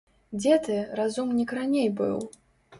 Дзе ты, разумнік, раней быў?